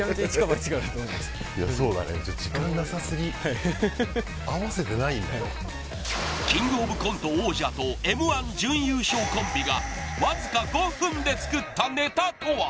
そうだねキングオブコント王者とＭ−１準優勝コンビがわずか５分で作ったネタとは？